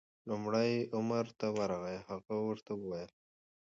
لومړی عمر ته ورغی، هغه ورته وویل: